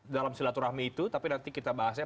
dalam silaturahmi itu tapi nanti kita bahas ya